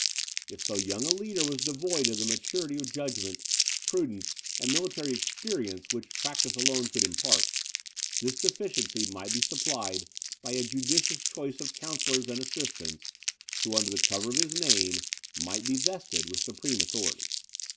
If so young a leader was devoid of the maturity of judgment, prudence, and military experience which practice alone could impart, this deficiency might be supplied by a judicious choice of counsellors and assistants, who, under the cover of his name, might be vested with supreme authority.